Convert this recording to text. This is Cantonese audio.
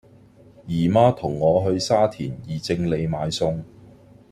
姨媽同我去沙田宜正里買餸